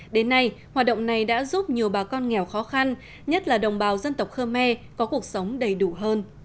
đến nay hoạt động này đã giúp nhiều bà con nghèo khó khăn nhất là đồng bào dân tộc khơ me có cuộc sống đầy đủ hơn